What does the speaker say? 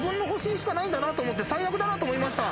最悪だなと思いました。